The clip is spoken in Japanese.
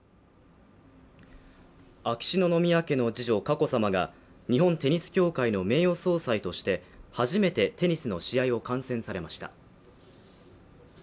秋篠宮家の次女・佳子さまが日本テニス協会の名誉総裁として初めてテニスの試合を観戦されました。